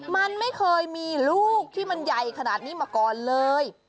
มันไม่เคยมีลูกที่มันใหญ่ขนาดนี้มาก่อนเลย